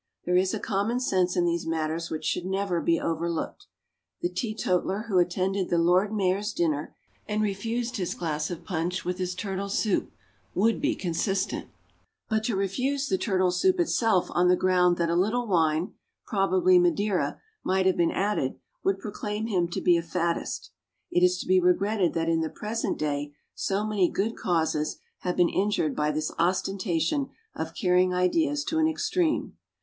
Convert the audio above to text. There is a common sense in these matters which should never be overlooked. The teetotaler who attended the Lord Mayor's dinner, and refused his glass of punch with his turtle soup, would be consistent; but to refuse the turtle soup itself on the ground that a little wine, probably Madeira, might have been added, would proclaim him to be a faddist. It is to be regretted that in the present day so many good causes have been injured by this ostentation of carrying ideas to an extreme.